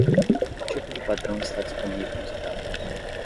Que tipo de padrão está disponível nos gráficos?